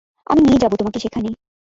আমি নিয়ে যাবো তোমাকে সেখানে।